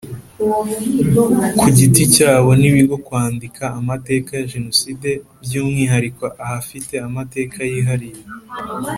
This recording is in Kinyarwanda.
ku giti cyabo n ibigo kwandika amateka ya jenoside by umwihariko ahafite amateka yihariye